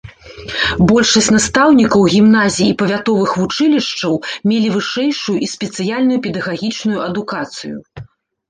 Большасць настаўнікаў гімназій і павятовых вучылішчаў мелі вышэйшую і спецыяльную педагагічную адукацыю.